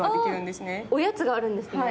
おやつがあるんですね。